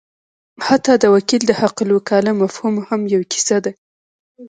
حتی د وکیل د حقالوکاله مفهوم هم یوه کیسه ده.